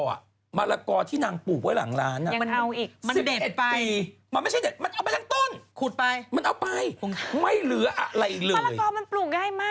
สมุดปาการน้ำทั่วงสนุนสุกุงวิคยะ